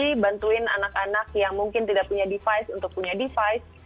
jadi bantuin anak anak yang mungkin tidak punya device untuk punya device